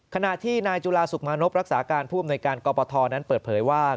ขณะที่นายจุฬาสุขมานพรักษาการผู้อำนวยการกรปทนั้นเปิดเผยว่า